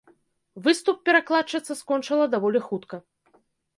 Выступ перакладчыца скончыла даволі хутка.